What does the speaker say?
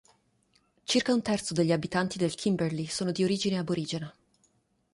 Circa un terzo degli abitanti del Kimberley sono di origine aborigena.